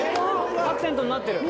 アクセントになってる？